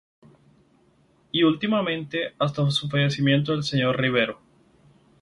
Y últimamente hasta su fallecimiento el Sr. Rivero.